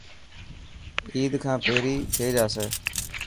عيد کان پهري ٿي جاسي.